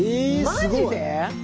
マジで？